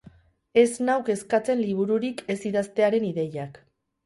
Ez nau kezkatzen libururik ez idaztearen ideiak.